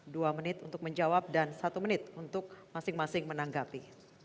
dua menit untuk menjawab dan satu menit untuk masing masing menanggapi